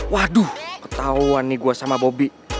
waduh ketauan nih gua sama bobby